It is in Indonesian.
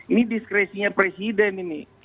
ini diskresinya presiden ini